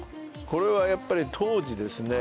これはやっぱり当時ですね